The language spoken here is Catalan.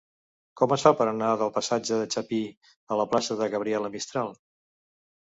Com es fa per anar del passatge de Chapí a la plaça de Gabriela Mistral?